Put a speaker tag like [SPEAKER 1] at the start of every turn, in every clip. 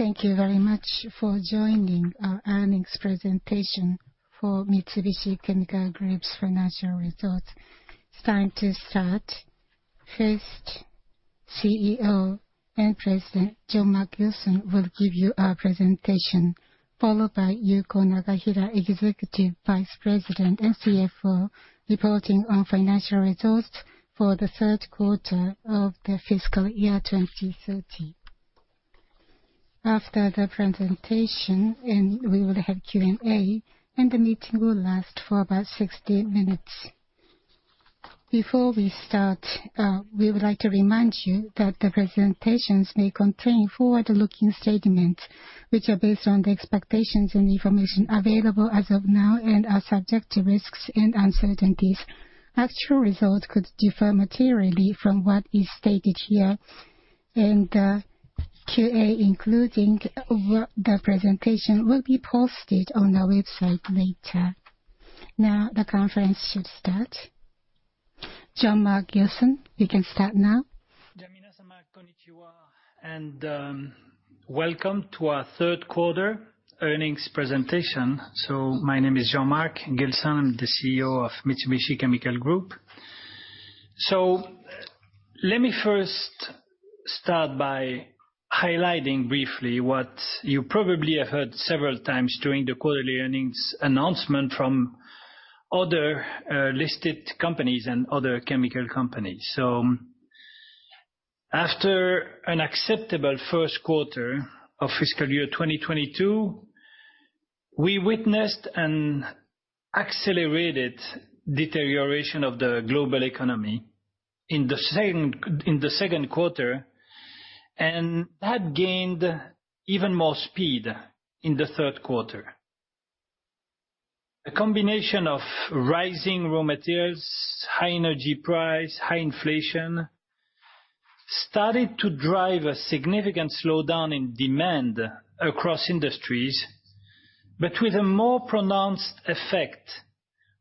[SPEAKER 1] Thank you very much for joining our earnings presentation for Mitsubishi Chemical Group's financial results. It's time to start. First, CEO and President Jean-Marc Gilson will give you our presentation, followed by Yuko Nakahira, Executive Vice President and CFO, reporting on financial results for the third quarter of the fiscal year 2030. After the presentation, we will have Q&A, and the meeting will last for about 60 minutes. Before we start, we would like to remind you that the presentations may contain forward-looking statements, which are based on the expectations and information available as of now and are subject to risks and uncertainties. Actual results could differ materially from what is stated here. Q&A, including the presentation, will be posted on our website later. Now the conference should start. Jean-Marc Gilson, you can start now.
[SPEAKER 2] Welcome to our third quarter earnings presentation. My name is Jean-Marc Gilson. I'm the CEO of Mitsubishi Chemical Group. Let me first start by highlighting briefly what you probably have heard several times during the quarterly earnings announcement from other listed companies and other chemical companies. After an acceptable first quarter of fiscal year 2022, we witnessed an accelerated deterioration of the global economy in the second quarter, and that gained even more speed in the third quarter. A combination of rising raw materials, high energy price, high inflation started to drive a significant slowdown in demand across industries, but with a more pronounced effect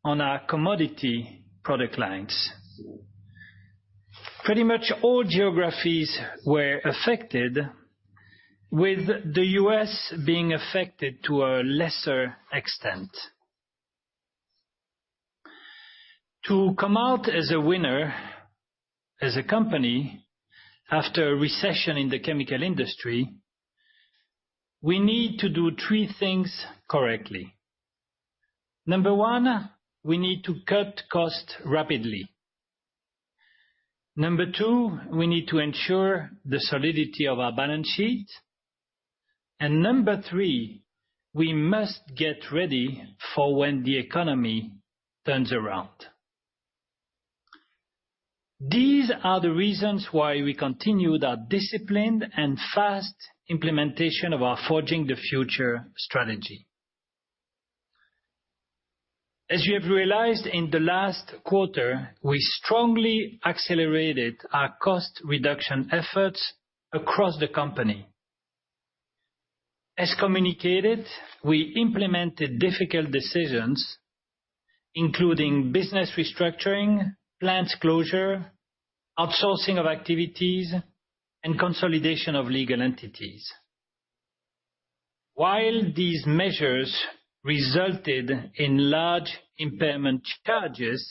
[SPEAKER 2] on our commodity product lines. Pretty much all geographies were affected, with the U.S. being affected to a lesser extent. To come out as a winner, as a company, after a recession in the chemical industry, we need to do 3 things correctly. Number 1, we need to cut cost rapidly. Number 2, we need to ensure the solidity of our balance sheet. Number 3, we must get ready for when the economy turns around. These are the reasons why we continue that disciplined and fast implementation of our Forging the Future strategy. As you have realized in the last quarter, we strongly accelerated our cost reduction efforts across the company. As communicated, we implemented difficult decisions including business restructuring, plants closure, outsourcing of activities, and consolidation of legal entities. While these measures resulted in large impairment charges,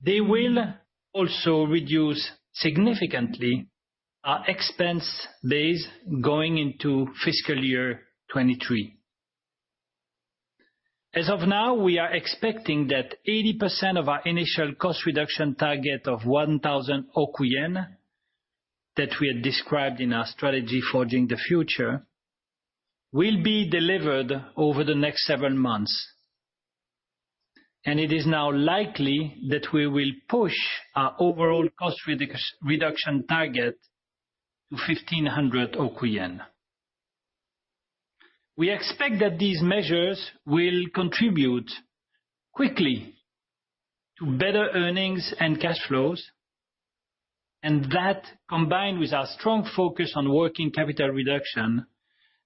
[SPEAKER 2] they will also reduce significantly our expense base going into fiscal year 2023. As of now, we are expecting that 80% of our initial cost reduction target of 1,000 oku yen that we had described in our strategy Forging the Future, will be delivered over the next several months. It is now likely that we will push our overall cost reduction target to 1,500 oku yen. We expect that these measures will contribute quickly to better earnings and cash flows, and that, combined with our strong focus on working capital reduction,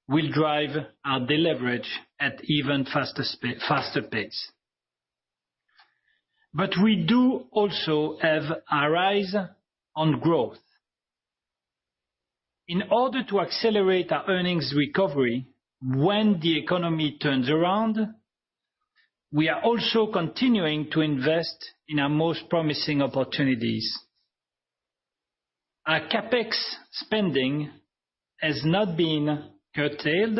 [SPEAKER 2] will drive our deleverage at even faster pace. We do also have our eyes on growth. In order to accelerate our earnings recovery when the economy turns around, we are also continuing to invest in our most promising opportunities. Our CapEx spending has not been curtailed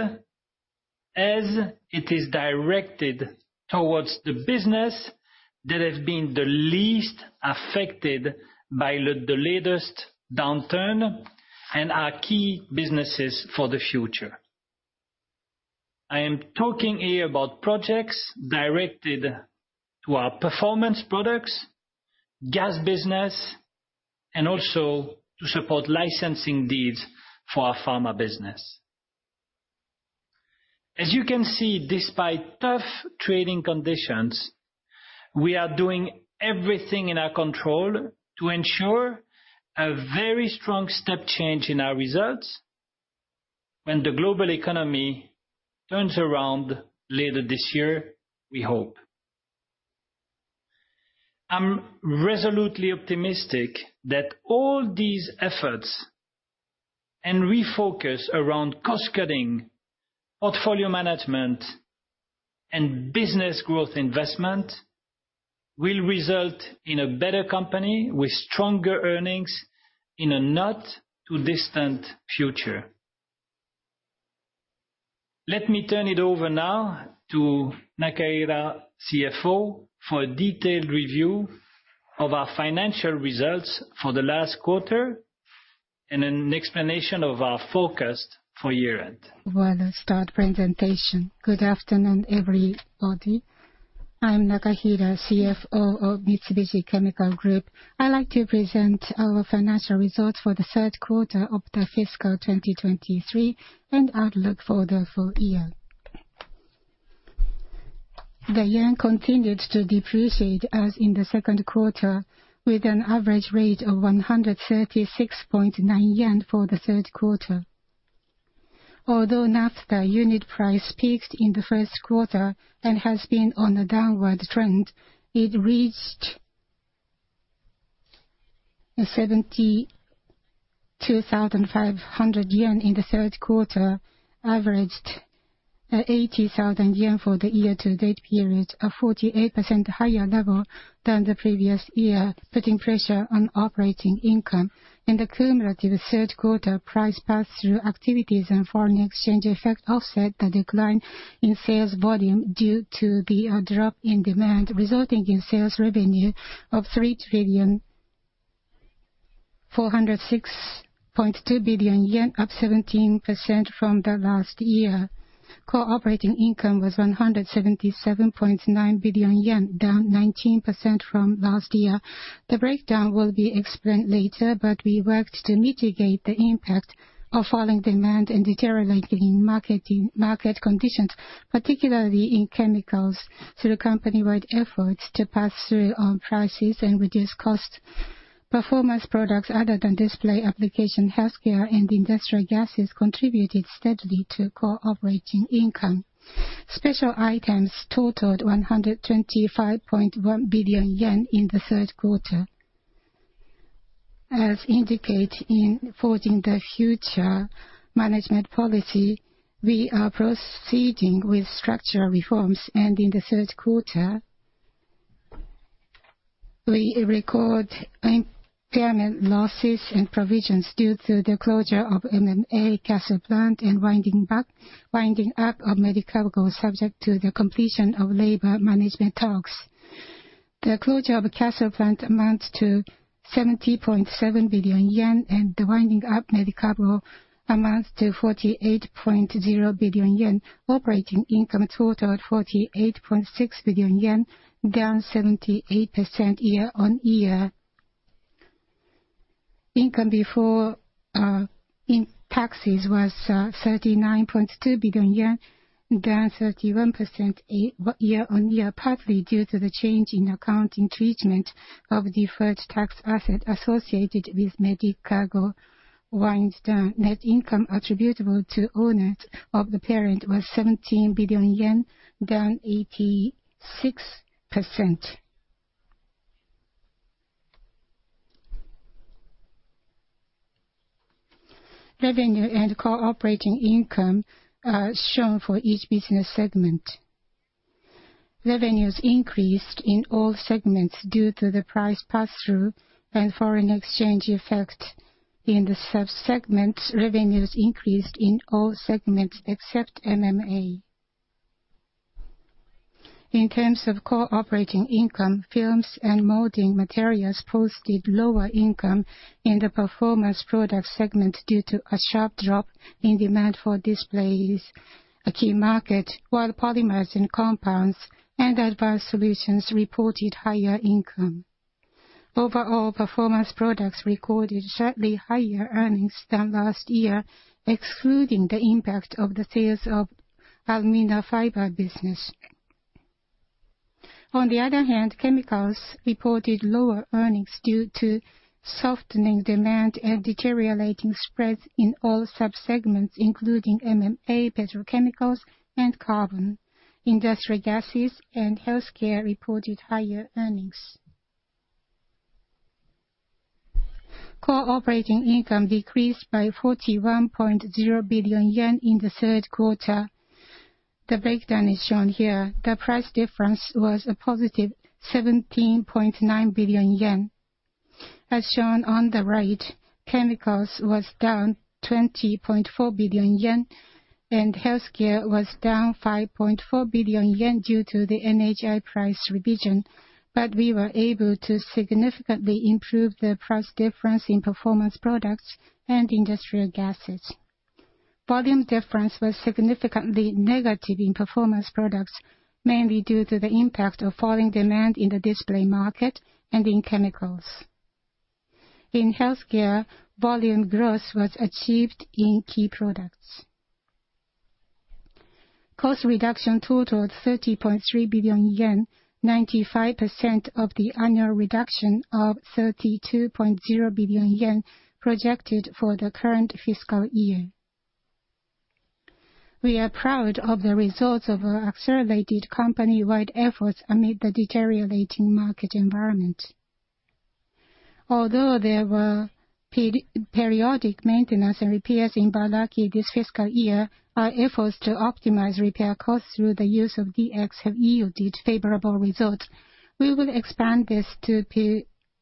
[SPEAKER 2] as it is directed towards the business that has been the least affected by the latest downturn and our key businesses for the future. I am talking here about projects directed to our performance products, gas business, and also to support licensing deals for our pharma business. As you can see, despite tough trading conditions, we are doing everything in our control to ensure a very strong step change in our results when the global economy turns around later this year, we hope. I'm resolutely optimistic that all these efforts and refocus around cost-cutting, portfolio management, and business growth investment will result in a better company with stronger earnings in a not too distant future. Let me turn it over now to Nakahira, CFO, for a detailed review of our financial results for the last quarter and an explanation of our forecast for year-end.
[SPEAKER 3] Let's start presentation. Good afternoon, everybody. I'm Nakahira, CFO of Mitsubishi Chemical Group. I'd like to present our financial results for the third quarter of the fiscal 2023 and outlook for the full year. The yen continued to depreciate as in the second quarter, with an average rate of 136.9 yen for the third quarter. Although naphtha unit price peaked in the first quarter and has been on a downward trend, it reached 72,500 yen in the third quarter, averaged 80,000 yen for the year-to-date period, a 48% higher level than the previous year, putting pressure on operating income. In the cumulative third quarter, price pass-through activities and foreign exchange effect offset the decline in sales volume due to the drop in demand, resulting in sales revenue of 3,406.2 billion yen, up 17% from the last year. Core operating income was 177.9 billion yen, down 19% from last year. The breakdown will be explained later, we worked to mitigate the impact of falling demand and deteriorating market conditions, particularly in chemicals, through company-wide efforts to pass through on prices and reduce cost. Performance products other than display application, healthcare, and industrial gases contributed steadily to core operating income. Special items totaled 125.1 billion yen in the third quarter. As indicate in Forging the future management policy, we are proceeding with structural reforms. In the third quarter, we record impairment losses and provisions due to the closure of Cassel plant and winding up of Medicago, subject to the completion of labor management talks. The closure of Cassel plant amounts to 70.7 billion yen, and the winding up Medicago amounts to 48.0 billion yen. Operating income totaled 48.6 billion yen, down 78% year-on-year. Income before taxes was 39.2 billion yen, down 31% year-on-year, partly due to the change in accounting treatment of deferred tax asset associated with Medicago wind-down. Net income attributable to owners of the parent was 17 billion yen, down 86%. Revenue and core operating income are shown for each business segment. Revenues increased in all segments due to the price pass-through and foreign exchange effect. In the sub-segments, revenues increased in all segments except MMA. In terms of core operating income, films and molding materials posted lower income in the performance products segment due to a sharp drop in demand for displays, a key market. While polymers and compounds and advanced solutions reported higher income. Overall, performance products recorded slightly higher earnings than last year, excluding the impact of the sales of alumina fiber business. On the other hand, chemicals reported lower earnings due to softening demand and deteriorating spreads in all sub-segments, including MMA, petrochemicals, and carbon. Industrial gases and healthcare reported higher earnings. Core operating income decreased by 41.0 billion yen in the third quarter. The breakdown is shown here. The price difference was a positive 17.9 billion yen. As shown on the right, chemicals was down 20.4 billion yen, and healthcare was down 5.4 billion yen due to the NHI price revision. We were able to significantly improve the price difference in performance products and industrial gases. Volume difference was significantly negative in performance products, mainly due to the impact of falling demand in the display market and in chemicals. In healthcare, volume growth was achieved in key products. Cost reduction totaled 30.3 billion yen, 95% of the annual reduction of 32.0 billion yen projected for the current fiscal year. We are proud of the results of our accelerated company-wide efforts amid the deteriorating market environment. Although there were periodic maintenance and repairs in Ibaraki this fiscal year, our efforts to optimize repair costs through the use of DX have yielded favorable results. We will expand this to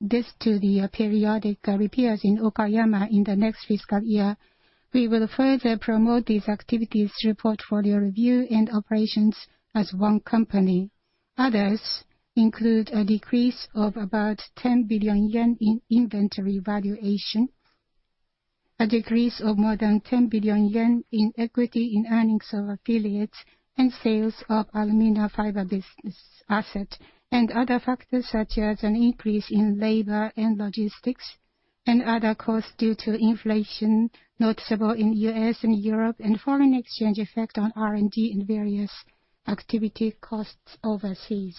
[SPEAKER 3] the periodic repairs in Okayama in the next fiscal year. We will further promote these activities through portfolio review and operations as one company. Others include a decrease of about 10 billion yen in inventory valuation, a decrease of more than 10 billion yen in equity in earnings of affiliates, and sales of alumina fiber business asset. Other factors such as an increase in labor and logistics, and other costs due to inflation noticeable in U.S. and Europe, and foreign exchange effect on R&D in various activity costs overseas.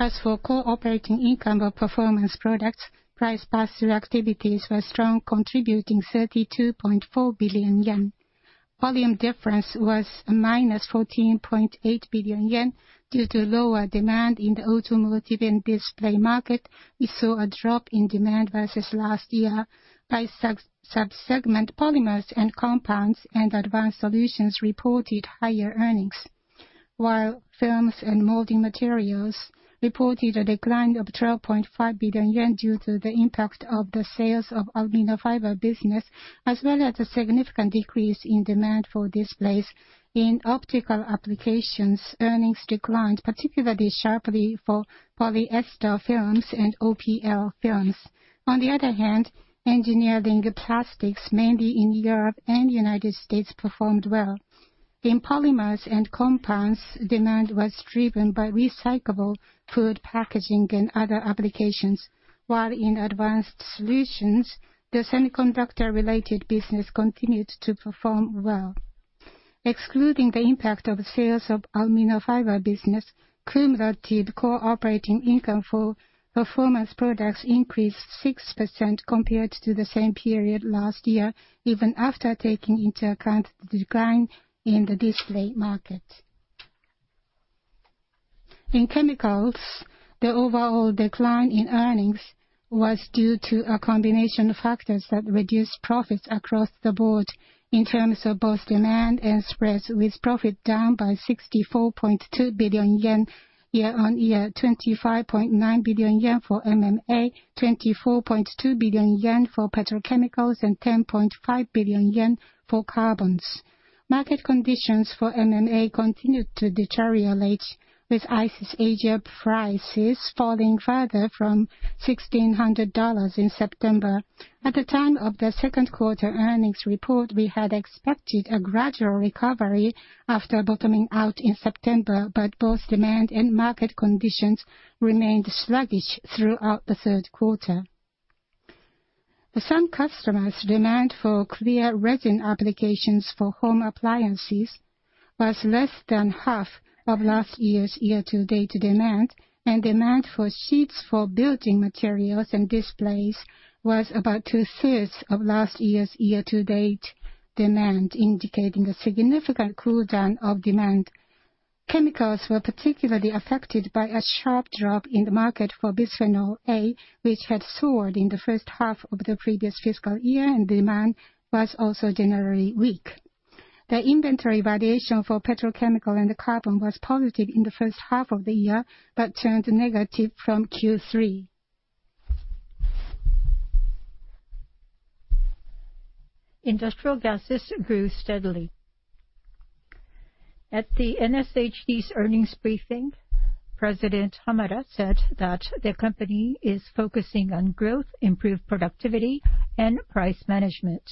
[SPEAKER 3] As for core operating income of Performance Products, price pass-through activities were strong, contributing 32.4 billion yen. Volume difference was a minus 14.8 billion yen due to lower demand in the automotive and display market. We saw a drop in demand versus last year. By sub-sub-segment polymers and compounds and advanced solutions reported higher earnings. While films and molding materials reported a decline of 12.5 billion yen due to the impact of the sales of alumina fiber business, as well as a significant decrease in demand for displays. In optical applications, earnings declined particularly sharply for polyester films and OPL films. On the other hand, engineering plastics, mainly in Europe and United States, performed well. In polymers and compounds, demand was driven by recyclable food packaging and other applications. While in advanced solutions, the semiconductor-related business continued to perform well. Excluding the impact of sales of alumina fiber business, cumulative core operating income for Performance Products increased 6% compared to the same period last year, even after taking into account the decline in the display market. In Chemicals, the overall decline in earnings was due to a combination of factors that reduced profits across the board in terms of both demand and spreads, with profit down by 64.2 billion yen year-on-year, 25.9 billion yen for MMA, 24.2 billion yen for petrochemicals, and 10.5 billion yen for carbons. Market conditions for MMA continued to deteriorate, with ICIS Asia prices falling further from $1,600 in September. At the time of the second quarter earnings report, we had expected a gradual recovery after bottoming out in September, but both demand and market conditions remained sluggish throughout the third quarter. Some customers' demand for clear resin applications for home appliances was less than half of last year's year-to-date demand, and demand for sheets for building materials and displays was about two-thirds of last year's year-to-date demand, indicating a significant cool down of demand. Chemicals were particularly affected by a sharp drop in the market for bisphenol A, which had soared in the first half of the previous fiscal year, and demand was also generally weak. The inventory valuation for petrochemical and carbon was positive in the first half of the year, but turned negative from Q3. Industrial gases grew steadily. At the NSHD's earnings briefing, President Hamada said that the company is focusing on growth, improved productivity, and price management.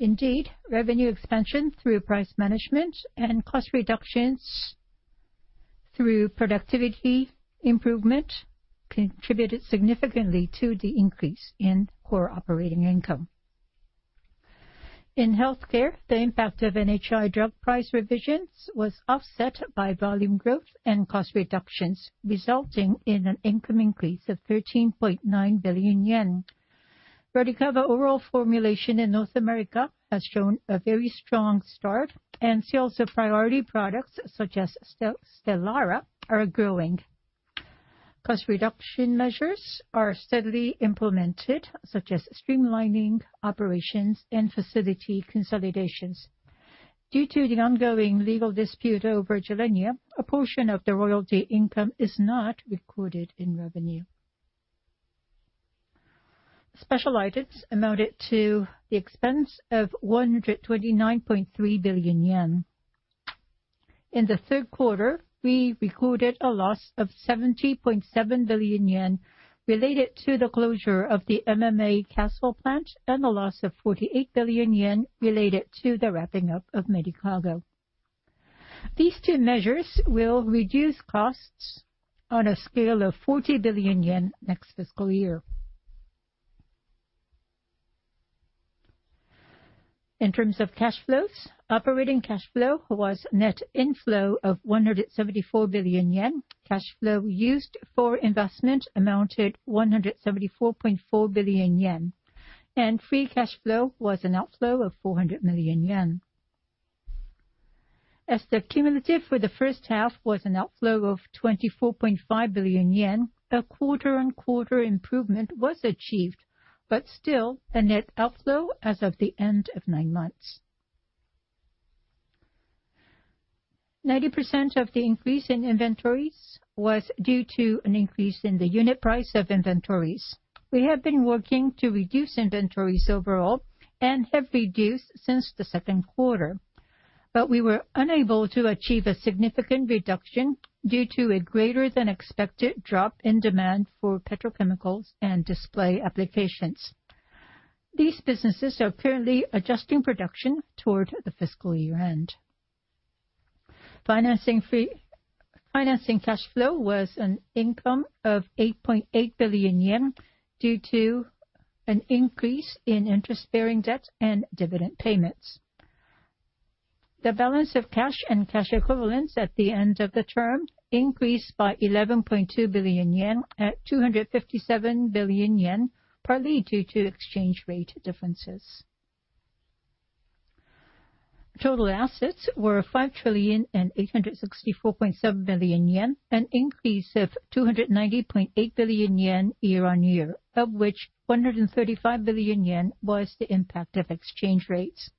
[SPEAKER 3] Indeed, revenue expansion through price management and cost reductions through productivity improvement contributed significantly to the increase in core operating income. In healthcare, the impact of NHI drug price revisions was offset by volume growth and cost reductions, resulting in an income increase of 13.9 billion yen. Radicava, the overall formulation in North America, has shown a very strong start. Sales of priority products such as Stelara are growing. Cost reduction measures are steadily implemented, such as streamlining operations and facility consolidations. Due to the ongoing legal dispute over Gilenya, a portion of the royalty income is not recorded in revenue. Special items amounted to the expense of 129.3 billion yen. In the third quarter, we recorded a loss of 70.7 billion yen related to the closure of the Cassel plant and a loss of 48 billion yen related to the wrapping up of Medicago. These two measures will reduce costs on a scale of 40 billion yen next fiscal year. In terms of cash flows, operating cash flow was net inflow of 174 billion yen. Cash flow used for investment amounted 174.4 billion yen. Free cash flow was an outflow of 400 million yen. As the cumulative for the first half was an outflow of 24.5 billion yen, a quarter-on-quarter improvement was achieved, but still a net outflow as of the end of nine months. 90% of the increase in inventories was due to an increase in the unit price of inventories. We have been working to reduce inventories overall and have reduced since the second quarter, but we were unable to achieve a significant reduction due to a greater than expected drop in demand for petrochemicals and display applications. These businesses are currently adjusting production toward the fiscal year end. Financing cash flow was an income of 8.8 billion yen due to an increase in interest-bearing debt and dividend payments. The balance of cash and cash equivalents at the end of the term increased by 11.2 billion yen at 257 billion yen, partly due to exchange rate differences. Total assets were 5,864.7 billion yen, an increase of 290.8 billion yen year-on-year, of which 135 billion yen was the impact of exchange rates.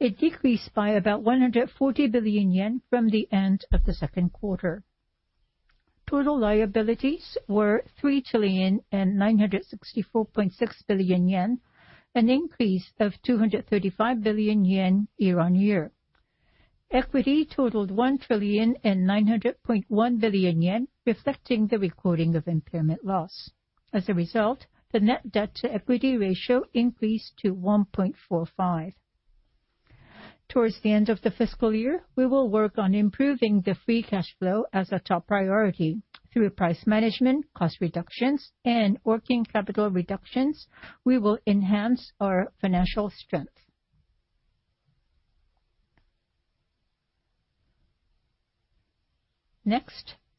[SPEAKER 3] It decreased by about 140 billion yen from the end of the second quarter. Total liabilities were 3,964.6 billion yen, an increase of 235 billion yen year-on-year. Equity totaled 1,900.1 billion yen, reflecting the recording of impairment loss. The net debt-to-equity ratio increased to 1.45. Towards the end of the fiscal year, we will work on improving the free cash flow as a top priority. Through price management, cost reductions, and working capital reductions, we will enhance our financial strength.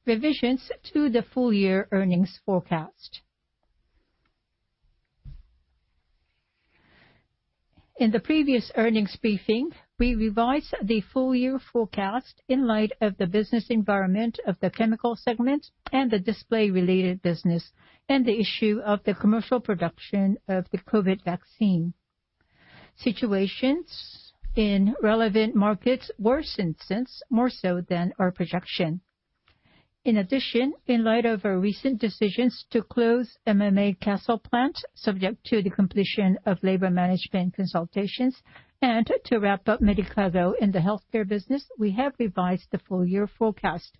[SPEAKER 3] Revisions to the full year earnings forecast. In the previous earnings briefing, we revised the full year forecast in light of the business environment of the chemical segment and the display-related business, and the issue of the commercial production of the COVID vaccine. Situations in relevant markets worsened since more so than our projection. In addition, in light of our recent decisions to close Cassel plant, subject to the completion of labor management consultations and to wrap Medicago in the healthcare business, we have revised the full year forecast.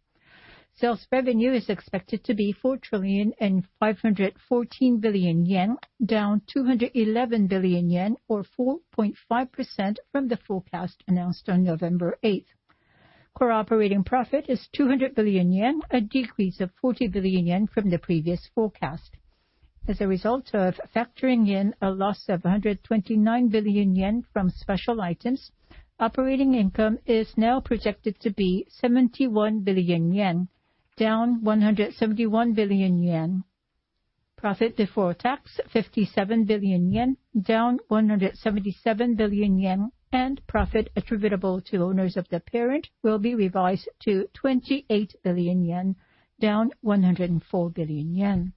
[SPEAKER 3] Sales revenue is expected to be 4 trillion 514 billion, down 211 billion yen or 4.5% from the forecast announced on November 8th. Core operating profit is 200 billion yen, a decrease of 40 billion yen from the previous forecast. As a result of factoring in a loss of 129 billion yen from special items, operating income is now projected to be 71 billion yen, down 171 billion yen. Profit before tax, 57 billion yen, down 177 billion yen. Profit attributable to owners of the parent will be revised to 28 billion yen, down 104 billion yen.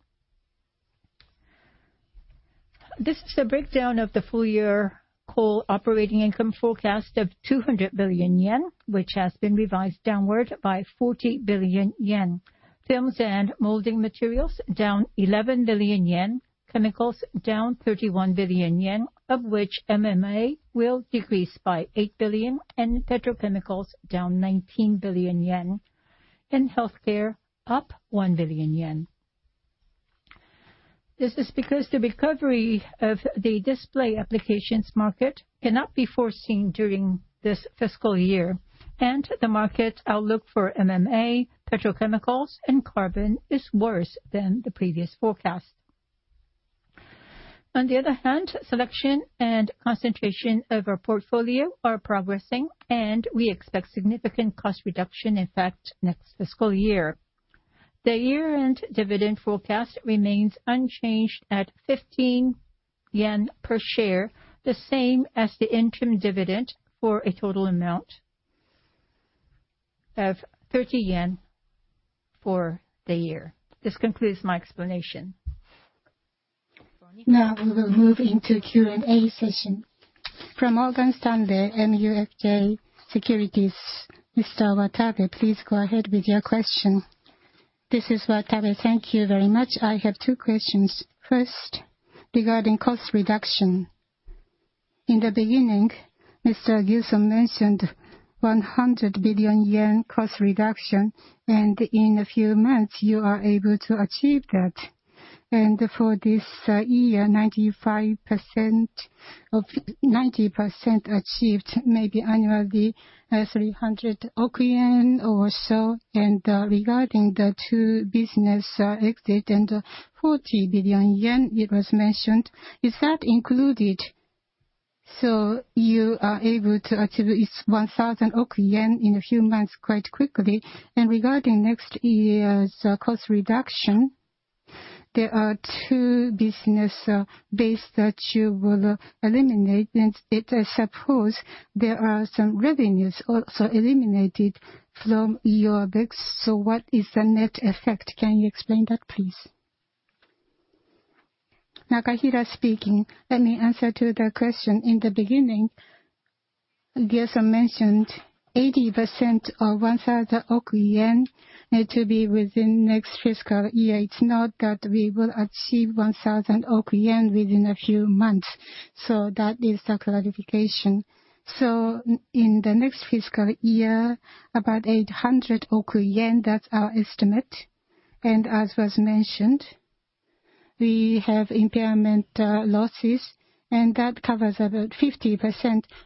[SPEAKER 3] This is a breakdown of the full year core operating income forecast of 200 billion yen, which has been revised downward by 40 billion yen. Films and molding materials down 11 billion yen. Chemicals down 31 billion yen, of which MMA will decrease by 8 billion, and petrochemicals down 19 billion yen. Healthcare up 1 billion yen. This is because the recovery of the display applications market cannot be foreseen during this fiscal year, and the market outlook for MMA, petrochemicals, and carbon is worse than the previous forecast. On the other hand, selection and concentration of our portfolio are progressing, and we expect significant cost reduction effect next fiscal year. The year-end dividend forecast remains unchanged at 15 yen per share, the same as the interim dividend, for a total amount of 30 yen for the year. This concludes my explanation. We will move into Q&A session. From Mitsubishi UFJ Morgan Stanley Securities, Mr. Watanabe, please go ahead with your question.
[SPEAKER 4] This is Watanabe. Thank you very much. I have 2 questions. First, regarding cost reduction. In the beginning, Mr. Gilson mentioned 100 billion yen cost reduction, and in a few months, you are able to achieve that. For this year, 90% achieved, maybe annually, 300 oku yen or so. Regarding the 2 business exit and 40 billion yen it was mentioned, is that included? You are able to achieve this 1,000 oku yen in a few months quite quickly. Regarding next year's cost reduction, there are 2 business base that you will eliminate. I suppose there are some revenues also eliminated from your books. What is the net effect? Can you explain that, please?
[SPEAKER 1] Let me answer to the question. In the beginning, Ryosuke mentioned 80% of 1,000 oku yen need to be within next fiscal year. It's not that we will achieve 1,000 oku yen within a few months. That is the clarification. In the next fiscal year, about 800 oku yen, that's our estimate. As was mentioned, we have impairment losses, and that covers about 50%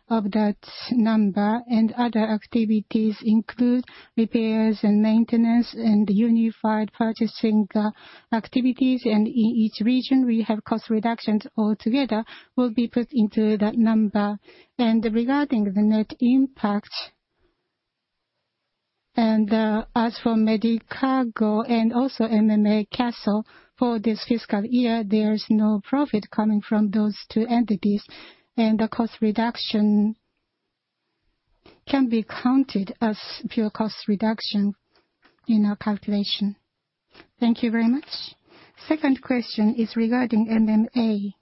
[SPEAKER 1] of that number. Other activities include repairs and maintenance and unified purchasing activities. In each region, we have cost reductions altogether will be put into that number. Regarding the net impact, as for Medicago and also MMA Cassel, for this fiscal year, there's no profit coming from those two entities, and the cost reduction can be counted as pure cost reduction in our calculation.
[SPEAKER 4] Thank you very much. Second question is regarding MMA.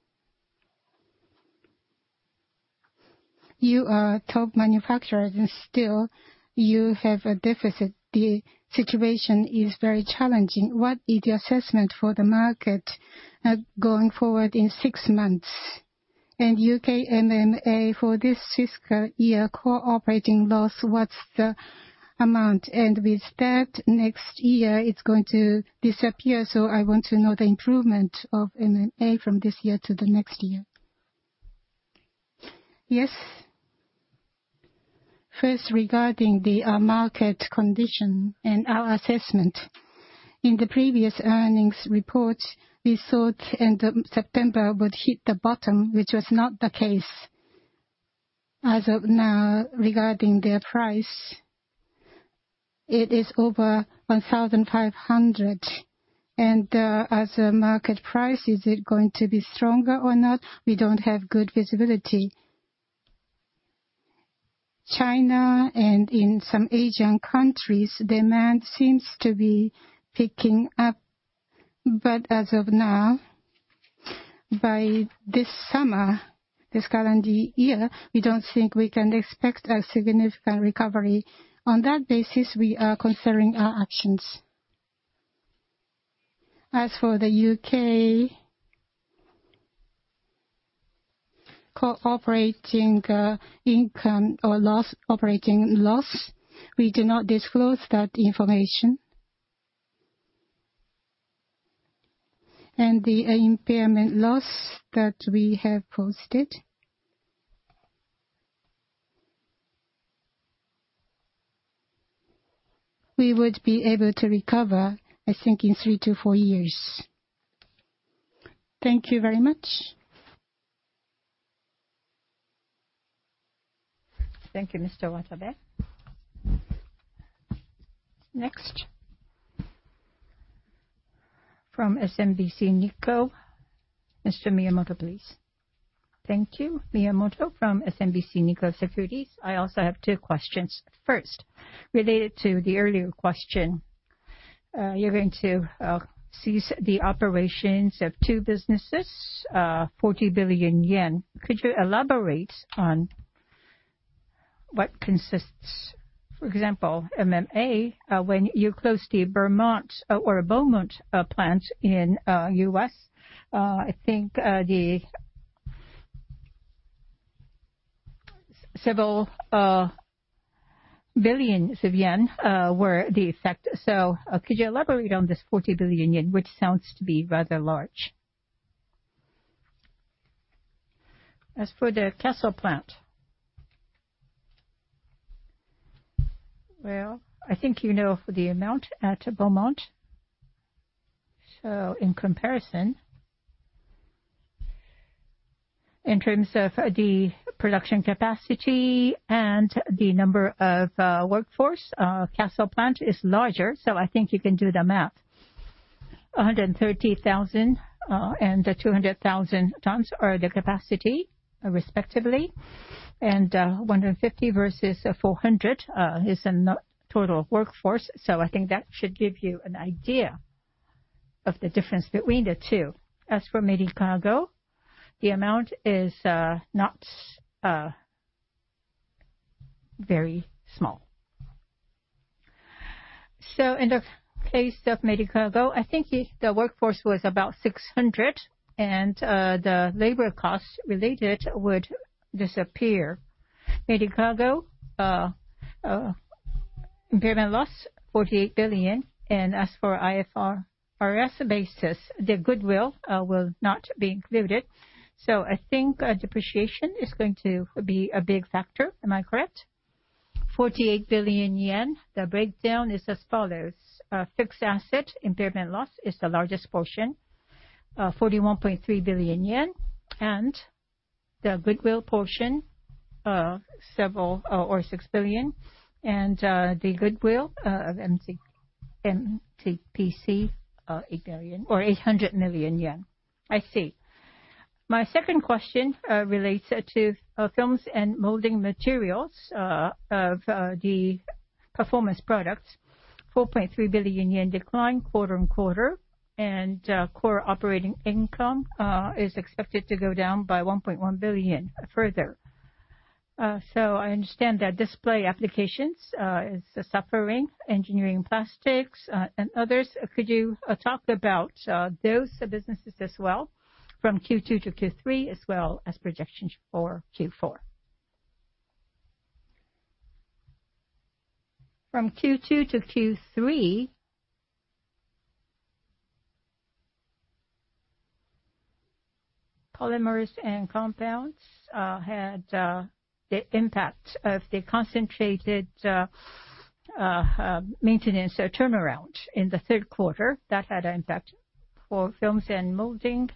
[SPEAKER 4] You are top manufacturer, and still you have a deficit. The situation is very challenging. What is your assessment for the market, going forward in six months? UK MMA, for this fiscal year, core operating loss, what's the amount? With that, next year it's going to disappear, so I want to know the improvement of MMA from this year to the next year.
[SPEAKER 3] Yes. First, regarding the market condition and our assessment. In the previous earnings report, we thought end of September would hit the bottom, which was not the case. As of now, regarding their price, it is over $1,500. As a market price, is it going to be stronger or not? We don't have good visibility. China and in some Asian countries, demand seems to be picking up. As of now, by this summer, this calendar year, we don't think we can expect a significant recovery. On that basis, we are considering our actions. As for the U.K. core operating income or loss, we do not disclose that information. The impairment loss that we have posted, we would be able to recover, I think, in three to four years.
[SPEAKER 4] Thank you very much.
[SPEAKER 3] Thank you, Mr. Watanabe. Next, from SMBC Nikko, Mr. Miyamoto, please. Thank you. Miyamoto from SMBC Nikko Securities. I also have 2 questions. First, related to the earlier question, you're going to cease the operations of 2 businesses, 40 billion yen. Could you elaborate on what consists? For example, MMA, when you closed the Beaumont plant in U.S., I think the several billions of yen were the effect. Could you elaborate on this 40 billion yen, which sounds to be rather large? As for the Cassel plant. Well, I think you know for the amount at Beaumont. In comparison, in terms of the production capacity and the number of workforce, Cassel plant is larger, so I think you can do the math. A 130,000 and 200,000 tons are the capacity respectively. 150 versus 400 is the total workforce. I think that should give you an idea of the difference between the two. As for Medicago, the amount is not very small. In the case of Medicago, I think the workforce was about 600, and the labor costs related would disappear. Medicago impairment loss, 48 billion. As for IFRS basis, the goodwill will not be included. I think depreciation is going to be a big factor. Am I correct? 48 billion yen. The breakdown is as follows. Fixed asset impairment loss is the largest portion, 41.3 billion yen. The goodwill portion, several or 6 billion, and the goodwill of MTPC, 8 billion or 800 million yen. I see. My second question relates to films and molding materials of the performance products, 4.3 billion yen decline quarter-on-quarter, and core operating income is expected to go down by 1.1 billion further. I understand that display applications is suffering engineering plastics and others. Could you talk about those businesses as well from Q2 to Q3, as well as projections for Q4? From Q2 to Q3, polymers and compounds had the impact of the concentrated maintenance turnaround in the third quarter that had an impact for films and molding.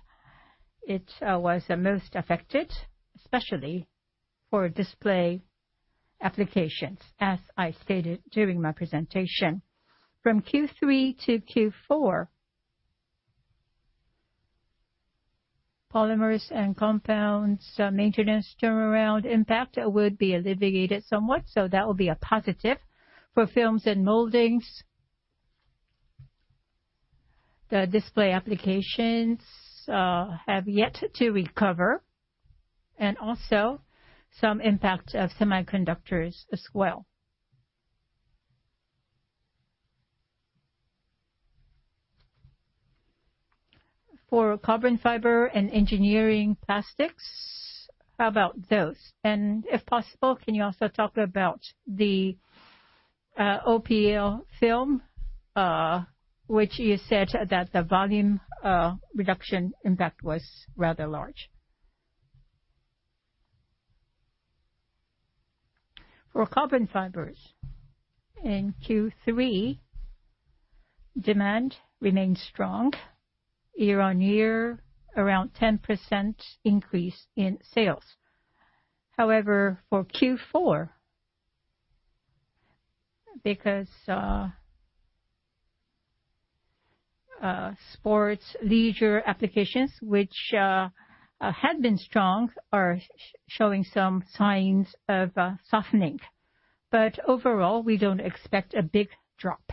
[SPEAKER 3] It was the most affected, especially for display applications, as I stated during my presentation. From Q3 to Q4, polymers and compounds maintenance turnaround impact would be alleviated somewhat. That will be a positive for films and moldings. The display applications have yet to recover and also some impact of semiconductors as well. For carbon fiber and engineering plastics, how about those? If possible, can you also talk about the OPL film, which you said that the volume reduction impact was rather large. For carbon fibers in Q3, demand remained strong year-on-year, around 10% increase in sales. For Q4, because sports leisure applications, which had been strong, are showing some signs of softening. Overall, we don't expect a big drop.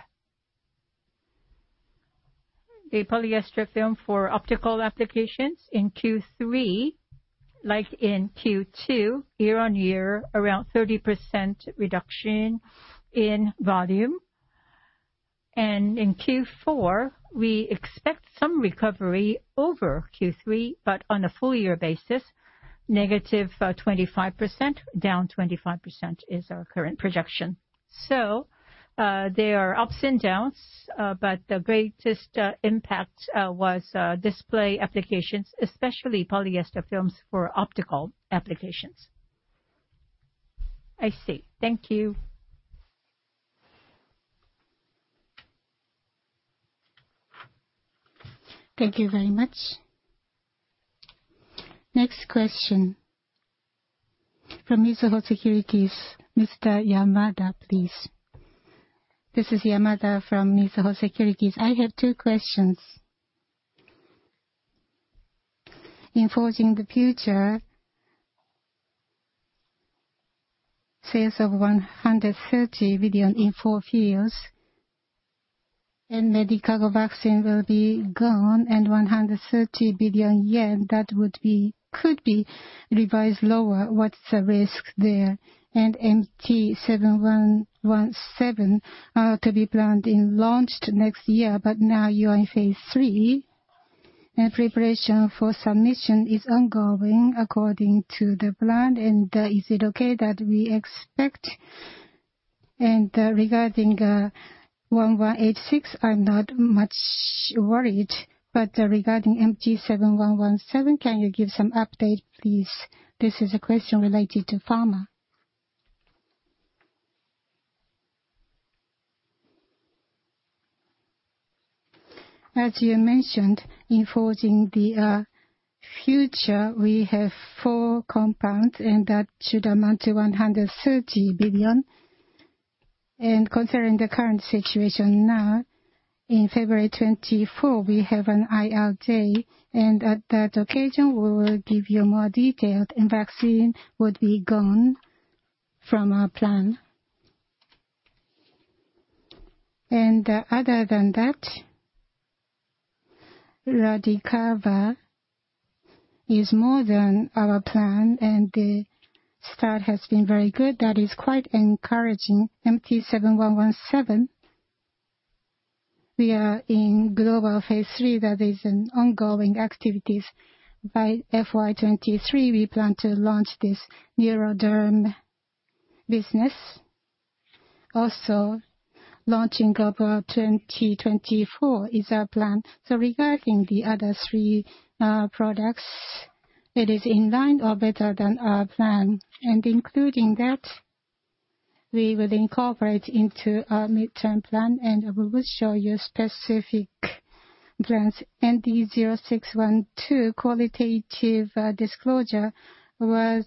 [SPEAKER 3] The polyester film for optical applications in Q3, like in Q2, year-over-year, around 30% reduction in volume. In Q4, we expect some recovery over Q3, but on a full year basis, -25%. Down 25% is our current projection. There are ups and downs, but the greatest impact was display applications, especially polyester films for optical applications. I see. Thank you. Thank you very much. Next question from Mizuho Securities, Mr. Yamada, please.
[SPEAKER 5] This is Yamada from Mizuho Securities. I have two questions. In Forging the Future, sales of 130 billion in four fields and medical vaccine will be gone and 130 billion yen, that would be, could be revised lower. What's the risk there? MT-7117, to be planned and launched next year, but now you are in phase 3. Preparation for submission is ongoing according to the plan. Is it okay that we expect? Regarding MT-1186, I'm not much worried, but regarding MT-7117, can you give some update, please? This is a question related to pharma.
[SPEAKER 3] As you mentioned, in Forging the Future, we have four compounds and that should amount to 130 billion. Considering the current situation now, in February 2024 we have an IR day. At that occasion we will give you more details, and vaccine would be gone from our plan. Other than that, Radicava is more than our plan, and the start has been very good. That is quite encouraging. MT-7117, we are in global phase III. That is in ongoing activities. By FY 2023 we plan to launch this NeuroDerm. Also launch in global 2024 is our plan. Regarding the other three products, it is in line or better than our plan. Including that-
[SPEAKER 1] We will incorporate into our midterm plan, and we will show you specific plans. ND0612 qualitative disclosure was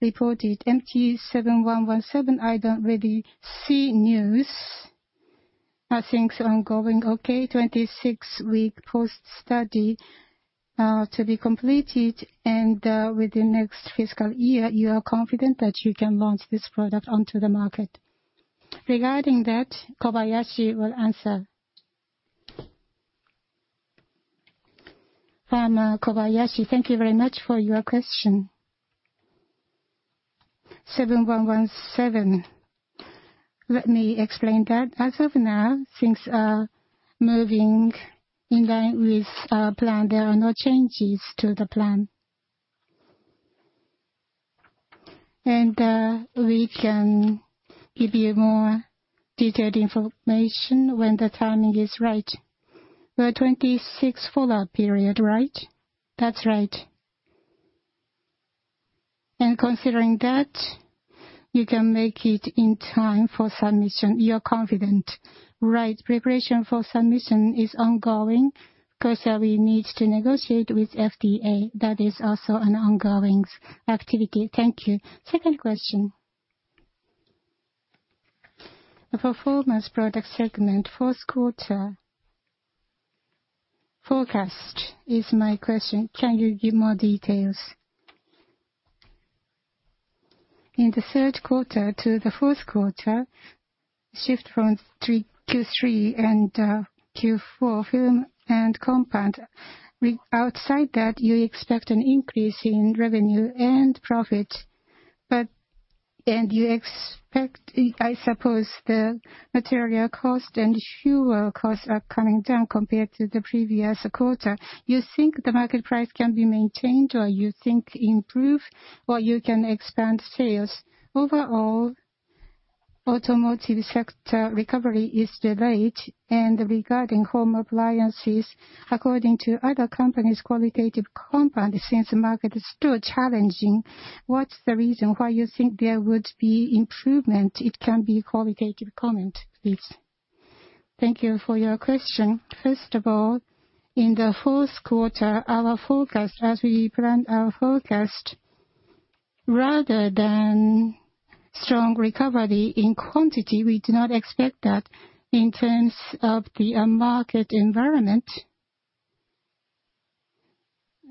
[SPEAKER 1] reported. MT-7117, I don't really see news. I think it's ongoing okay. 26-week post study to be completed and within next fiscal year, you are confident that you can launch this product onto the market. Regarding that, Kobayashi will answer. From Kobayashi, thank you very much for your question. 7117, let me explain that. As of now, things are moving in line with our plan. There are no changes to the plan. We can give you more detailed information when the timing is right. The 26 follow-up period, right? That's right. Considering that, you can make it in time for submission. You're confident. Right. Preparation for submission is ongoing. Of course, we need to negotiate with FDA. That is also an ongoing activity. Thank you. Second question. The performance product segment, fourth quarter forecast is my question. Can you give more details? In the third quarter to the fourth quarter, shift from 3, Q3 and Q4 film and compound. Outside that, you expect an increase in revenue and profit. You expect, I suppose, the material cost and fuel costs are coming down compared to the previous quarter. You think the market price can be maintained, or you think improve, or you can expand sales? Overall, automotive sector recovery is delayed. Regarding home appliances, according to other companies, qualitative compound, since the market is still challenging, what's the reason why you think there would be improvement? It can be qualitative comment, please. Thank you for your question. First of all, in the fourth quarter, our forecast, as we planned our forecast, rather than strong recovery in quantity, we do not expect that in terms of the market environment.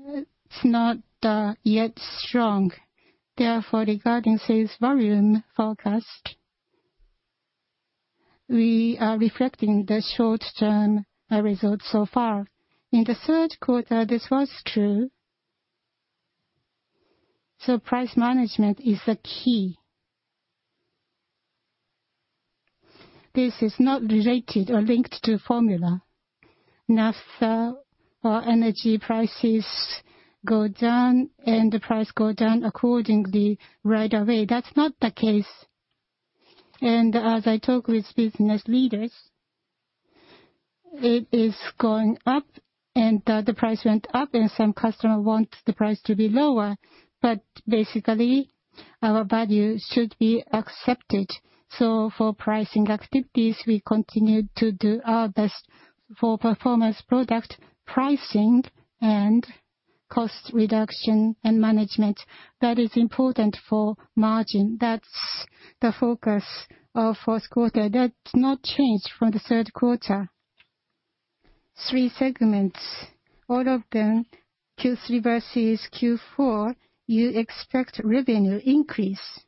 [SPEAKER 1] It's not yet strong. Therefore, regarding sales volume forecast, we are reflecting the short-term results so far. In the third quarter, this was true. Price management is the key. This is not related or linked to formula. naphtha or energy prices go down and the price go down accordingly right away. That's not the case. As I talk with business leaders, it is going up and the price went up and some customer want the price to be lower. Basically, our value should be accepted. For pricing activities, we continue to do our best for performance, product pricing and cost reduction and management. That is important for margin. That's the focus of fourth quarter. That's not changed from the third quarter. Three segments, all of them, Q three versus Q four, you expect revenue increase.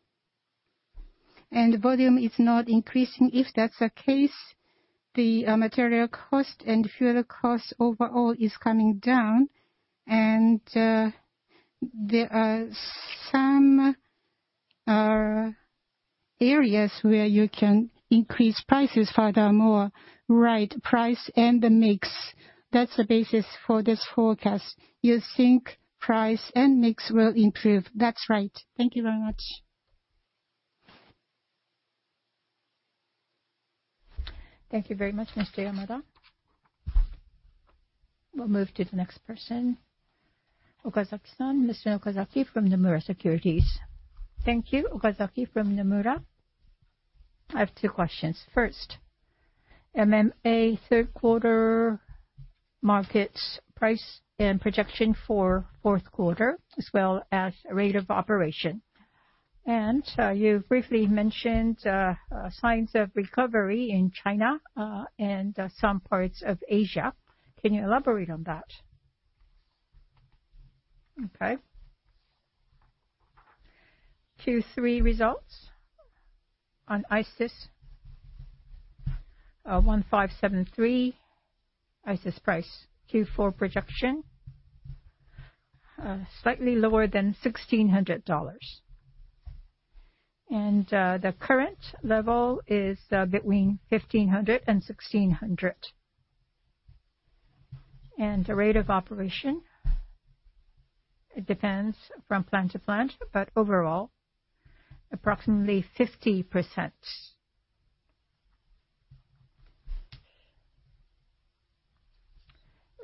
[SPEAKER 1] Volume is not increasing. If that's the case, the material cost and fuel cost overall is coming down. There are some areas where you can increase prices furthermore. Right. Price and the mix, that's the basis for this forecast. You think price and mix will improve? That's right. Thank you very much. Thank you very much, Mr. Yamada. We'll move to the next person. Okazaki-san. Ms. Okazaki from Nomura Securities.
[SPEAKER 3] Thank you. Okazaki from Nomura. I have 2 questions. First, MMA third quarter markets price and projection for fourth quarter, as well as rate of operation. You briefly mentioned signs of recovery in China and some parts of Asia. Can you elaborate on that? Okay. Q3 results on ICIS 1,573, ICIS price. Q4 projection, slightly lower than $1,600. The current level is between $1,500 and $1,600. The rate of operation, it depends from plant to plant, but overall approximately 50%.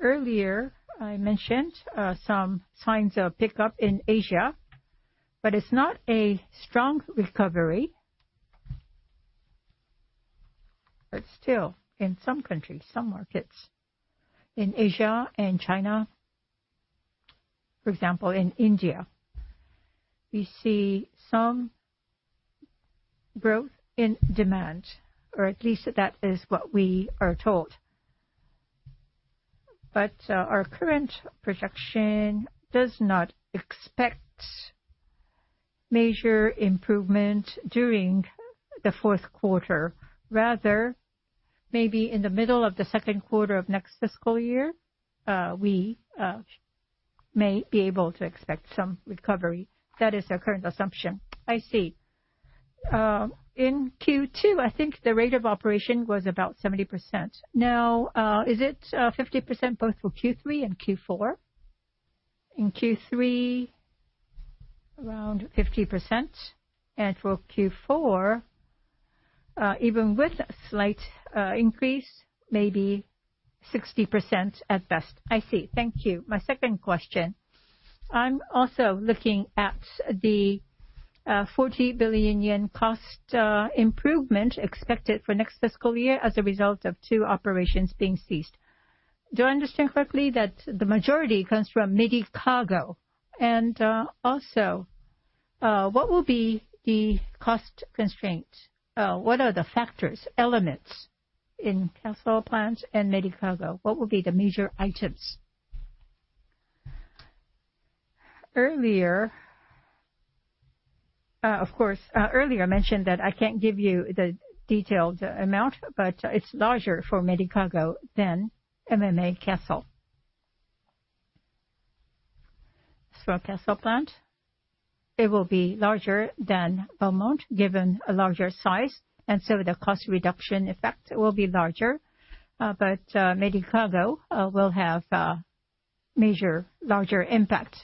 [SPEAKER 3] Earlier, I mentioned some signs of pickup in Asia, but it's not a strong recovery. Still, in some countries, some markets in Asia and China, for example, in India, we see some growth in demand, or at least that is what we are told. Our current projection does not expect major improvement during the fourth quarter. Rather, maybe in the middle of the second quarter of next fiscal year, we may be able to expect some recovery. That is our current assumption. I see. In Q2, I think the rate of operation was about 70%. Now, is it 50% both for Q3 and Q4? In Q3, around 50%. For Q4, even with a slight increase, maybe 60% at best. I see. Thank you. My second question. I'm also looking at the 40 billion yen cost improvement expected for next fiscal year as a result of two operations being ceased. Do I understand correctly that the majority comes from Medicago? Also, what will be the cost constraint? What are the factors, elements in Cassel Site and Medicago? What will be the major items? Earlier, of course, earlier, I mentioned that I can't give you the detailed amount, but it's larger for Medicago than MMA Cassel. Cassel Site, it will be larger than Beaumont, given a larger size, and so the cost reduction effect will be larger. Medicago will have a major larger impact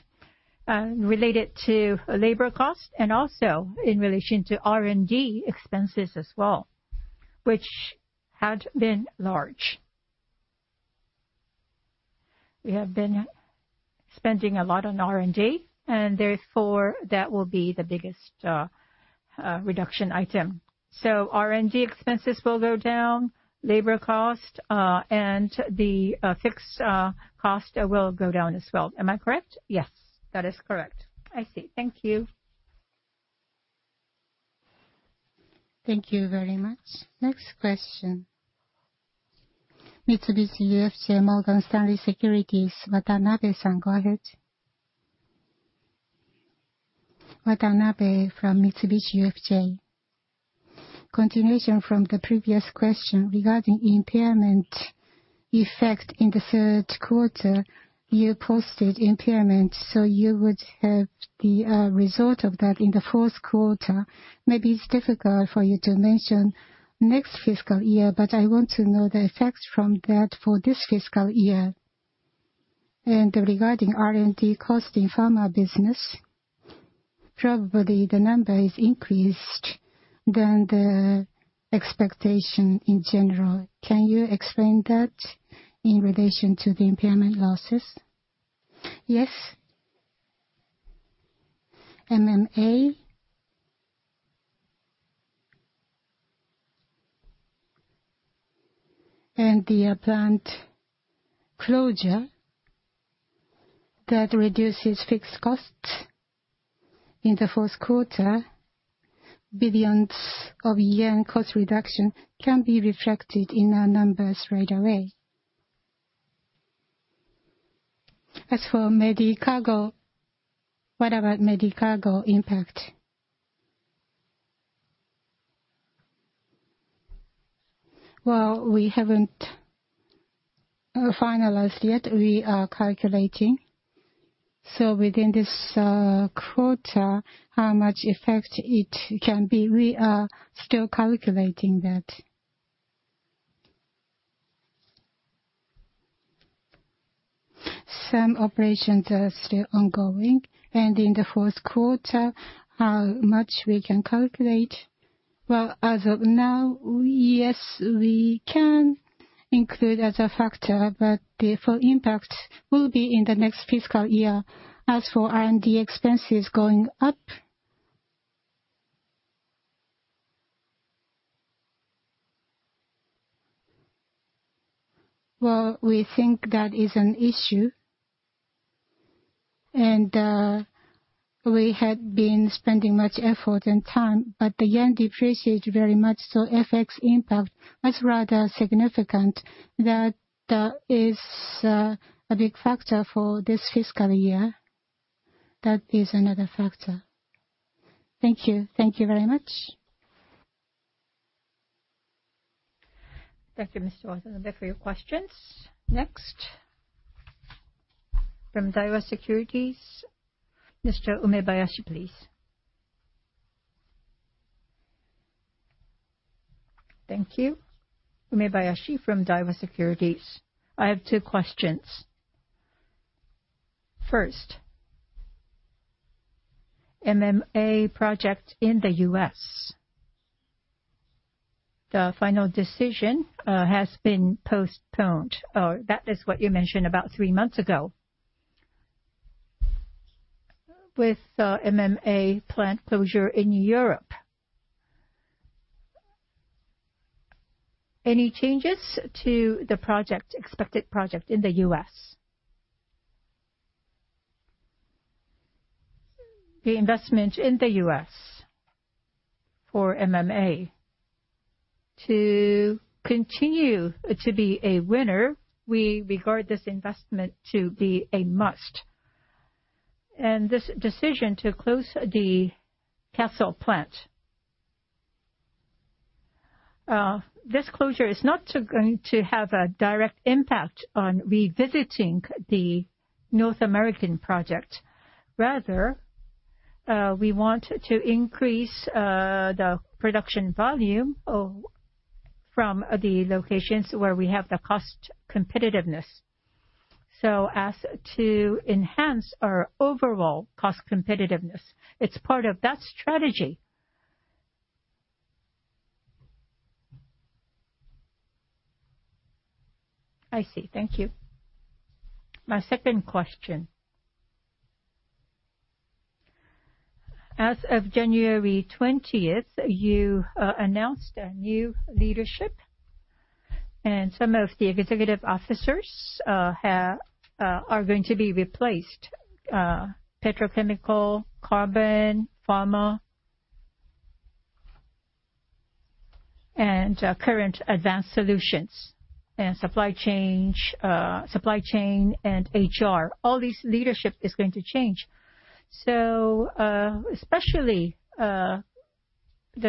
[SPEAKER 3] related to labor cost and also in relation to R&D expenses as well, which had been large. We have been spending a lot on R&D, and therefore that will be the biggest reduction item. R&D expenses will go down, labor cost, and the fixed cost will go down as well. Am I correct? Yes, that is correct. I see. Thank you. Thank you very much. Next question. Mitsubishi UFJ Morgan Stanley Securities, go ahead.
[SPEAKER 1] Watanabe from Mitsubishi UFJ. Continuation from the previous question regarding impairment effect in the third quarter, you posted impairment, so you would have the result of that in the fourth quarter. Maybe it's difficult for you to mention next fiscal year, but I want to know the effects from that for this fiscal year. Regarding R&D cost in pharma business, probably the number is increased than the expectation in general. Can you explain that in relation to the impairment losses?
[SPEAKER 3] Yes. MMA and the plant closure that reduces fixed costs in the fourth quarter, billions yen cost reduction can be reflected in our numbers right away.
[SPEAKER 4] As for Medicago, what about Medicago impact?
[SPEAKER 3] Well, we haven't finalized yet. We are calculating. Within this quarter, how much effect it can be, we are still calculating that. Some operations are still ongoing, and in the fourth quarter, how much we can calculate. Well, as of now, yes, we can include as a factor, but the full impact will be in the next fiscal year. As for R&D expenses going up, well, we think that is an issue. We had been spending much effort and time, but the yen depreciated very much, so FX impact is rather significant. That is a big factor for this fiscal year. That is another factor.
[SPEAKER 4] Thank you. Thank you very much.
[SPEAKER 3] Thank you, Mr. Watanabe, for your questions. Next, from Daiwa Securities, Mr. Umebayashi, please. Thank you. Umebayashi from Daiwa Securities. I have two questions. First, MMA project in the U.S. The final decision has been postponed, or that is what you mentioned about three months ago. With MMA plant closure in Europe. Any changes to the project, expected project in the US? The investment in the U.S., For MMA. To continue to be a winner, we regard this investment to be a must. This decision to close the Cassel plant. This closure is not to going to have a direct impact on revisiting the North American project. Rather, we want to increase the production volume of, from the locations where we have the cost competitiveness. So as to enhance our overall cost competitiveness. It's part of that strategy. I see. Thank you. My second question. As of January 20th, you announced a new leadership, and some of the executive officers have are going to be replaced. Petrochemical, carbon, pharma. Current advanced solutions and supply chain, supply chain and HR. All these leadership is going to change. Especially the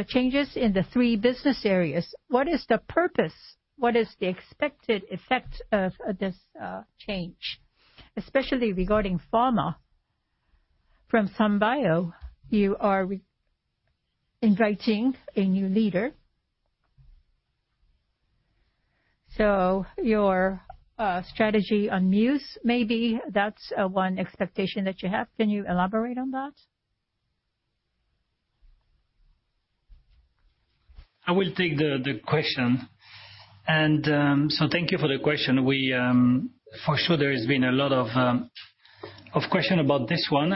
[SPEAKER 3] changes in the three business areas, what is the purpose? What is the expected effect of this change? Especially regarding pharma. From SanBio, you are re-inviting a new leader. Your strategy on Muse, maybe that's one expectation that you have. Can you elaborate on that?
[SPEAKER 2] I will take the question. Thank you for the question. We for sure there has been a lot of of question about this one.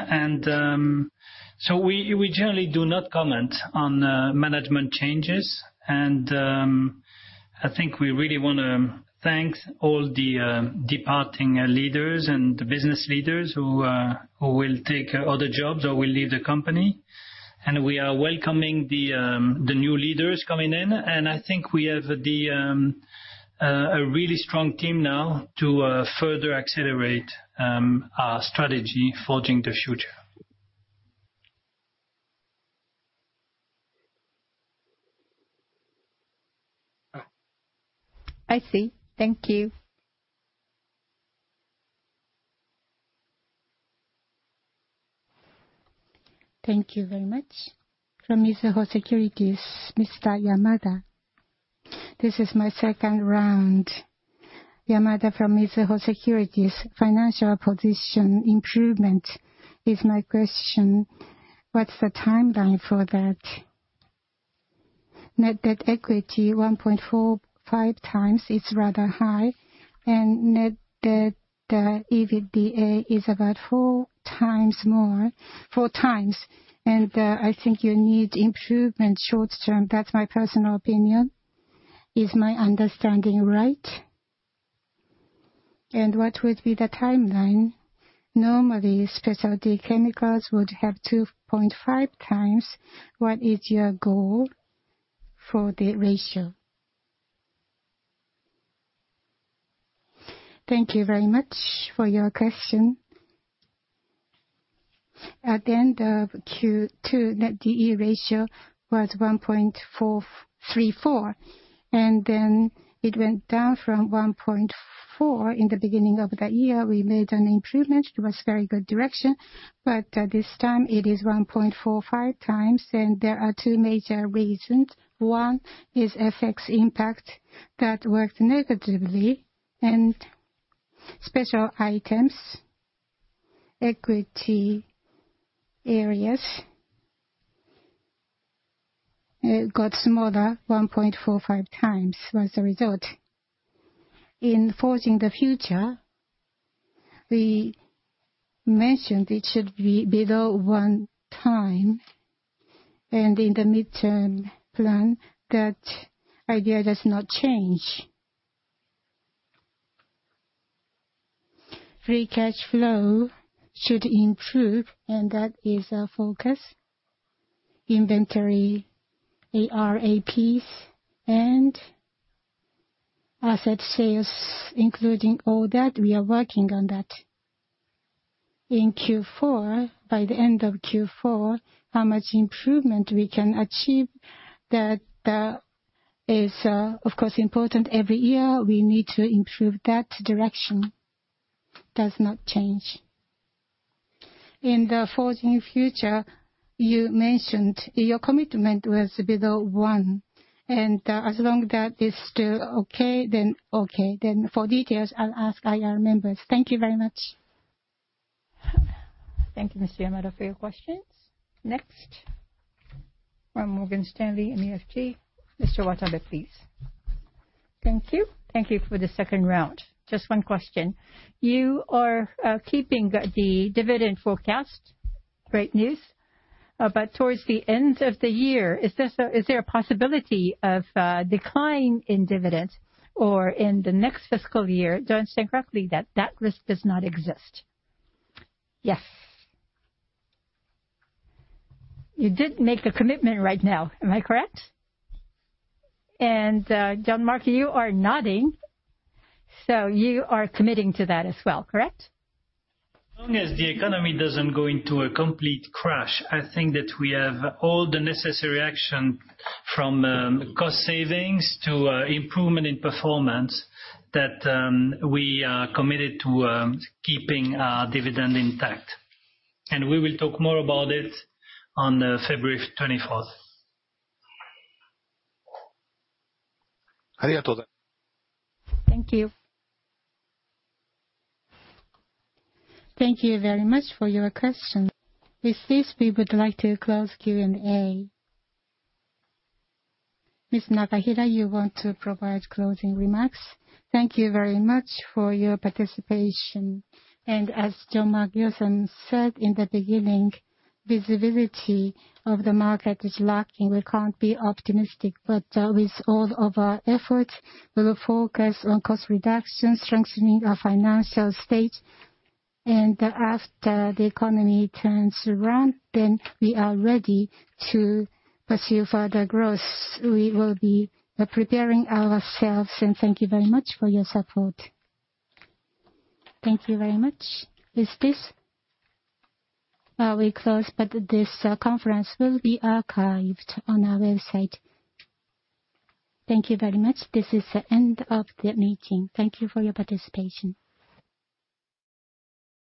[SPEAKER 2] We generally do not comment on management changes. I think we really wanna thank all the departing leaders and the business leaders who who will take other jobs or will leave the company. We are welcoming the new leaders coming in. I think we have a really strong team now to further accelerate our strategy Forging the future.
[SPEAKER 6] I see. Thank you.
[SPEAKER 5] Thank you very much. From Mizuho Securities, Mr. Yamada. This is my second round. Yamada from Mizuho Securities. Financial position improvement is my question. What's the timeline for that? Net debt equity 1.45 times is rather high. Net debt EBITDA is about 4 times more. 4 times. I think you need improvement short term. That's my personal opinion. Is my understanding right? What would be the timeline? Normally, specialty chemicals would have 2.5 times. What is your goal for the ratio?
[SPEAKER 3] Thank you very much for your question. At the end of Q2, net DE ratio was 1.434. Then it went down from 1.4 in the beginning of the year. We made an improvement. It was very good direction. This time it is 1.45 times, and there are two major reasons. One is FX impact that worked negatively. Special items, equity areas, it got smaller. 1.45 times was the result. In Forging the future, we mentioned it should be below one time. In the midterm plan, that idea does not change. Free cash flow should improve, and that is our focus. Inventory, AR, AP, and asset sales, including all that, we are working on that. In Q4, by the end of Q4, how much improvement we can achieve, that is, of course, important. Every year, we need to improve. That direction does not change.
[SPEAKER 5] In the Forging the future, you mentioned your commitment was below 1. As long that is still okay, then okay. For details, I'll ask IR members. Thank you very much. Thank you, Mr. Yamada, for your questions. Next, from Morgan Stanley, MEFT, Mr. Watanabe, please.
[SPEAKER 3] Thank you. Thank you for the second round. Just one question. You are keeping the dividend forecast. Great news. Towards the end of the year, Is there a possibility of decline in dividends? In the next fiscal year, do I understand correctly that that risk does not exist?
[SPEAKER 2] Yes.
[SPEAKER 7] You did make a commitment right now, am I correct? Jean-Marc, you are nodding, so you are committing to that as well, correct?
[SPEAKER 2] As long as the economy doesn't go into a complete crash, I think that we have all the necessary action from cost savings to improvement in performance that we are committed to keeping our dividend intact. We will talk more about it on February 24th.
[SPEAKER 3] Thank you.
[SPEAKER 1] Thank you very much for your questions. With this, we would like to close Q&A. Ms. Nakahira, you want to provide closing remarks?
[SPEAKER 2] Thank you very much for your participation. As Jean-Marc Gilson said in the beginning, visibility of the market is lacking. We can't be optimistic. With all of our effort, we'll focus on cost reduction, strengthening our financial state. After the economy turns around, then we are ready to pursue further growth. We will be preparing ourselves, and thank you very much for your support.
[SPEAKER 1] Thank you very much. With this, we close, but this conference will be archived on our website. Thank you very much. This is the end of the meeting. Thank you for your participation.